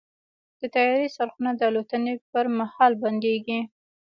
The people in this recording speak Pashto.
د طیارې څرخونه د الوتنې پر مهال بندېږي.